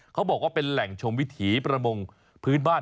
เขาบอกว่าเป็นแหล่งชมวิถีประมงพื้นบ้าน